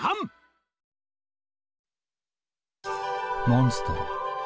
モンストロ。